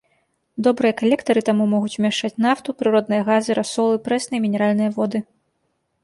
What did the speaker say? Добрыя калектары, таму могуць умяшчаць нафту, прыродныя газы, расолы, прэсныя і мінеральныя воды.